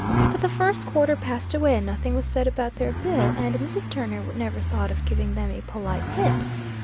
But the first quarter passed away, and nothing was said about their bill, and Mrs. Turner never thought of giving them a polite hint.